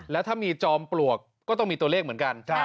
แล้วถ้ามีจอมปลวกก็ต้องมีตัวเลขเหมือนกัน